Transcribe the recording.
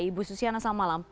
ibu susyana selamat malam